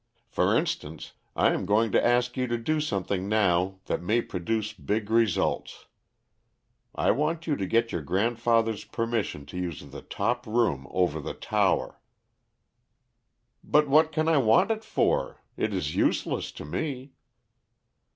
For instance, I am going to ask you to do something now that may produce big results. I want you to get your grandfather's permission to use the top room over the tower." "But what can I want it for? It is useless to me."